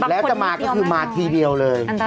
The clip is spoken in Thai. แล้วจะมาก็คือมาทีเดียวเลย